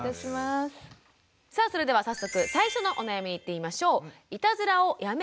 さあそれでは早速最初のお悩みにいってみましょう。